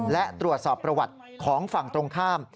และตรวจสอบประวัติของฝั่งตรงข้าม